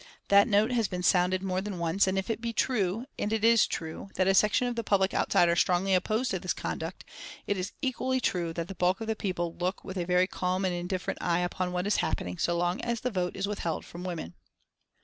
That note has been sounded more than once, and if it be true, and it is true, that a section of the public outside are strongly opposed to this conduct, it is equally true that the bulk of the people look with a very calm and indifferent eye upon what is happening so long as the vote is withheld from women."